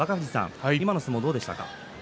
今の相撲いかがでしたか？